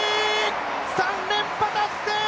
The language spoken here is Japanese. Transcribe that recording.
３連覇達成！